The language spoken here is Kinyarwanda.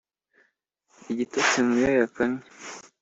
igitotsi mu yo yakamye